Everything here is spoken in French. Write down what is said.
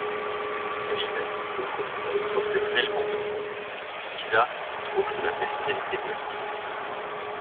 David souffre de troubles obsessionnels-compulsifs, Lisa du trouble de la personnalité multiple.